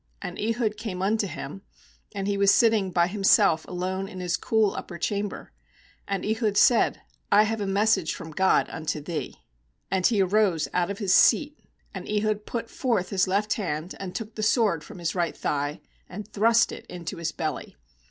20And Ehud came unto him; and he was sitting by himself alone in his cool upper chamber. And Ehud said: 'I have a message from Grod unto thee.' And he arose out of ais seat. 21And Ehud put forth his .eft hand, and took the sword from us right thigh, and thrust it into his belly.